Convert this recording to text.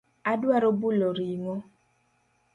Adwaro bulo ring'o.